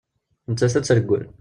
Nettat ad tt-reggel.